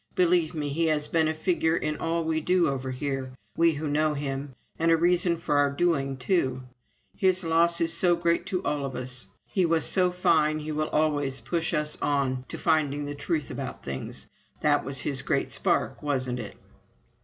Believe me, he has been a figure in all we do over here, we who knew him, and a reason for our doing, too. His loss is so great to all of us! ... He was so fine he will always push us on to finding the truth about things. That was his great spark, wasn't it?"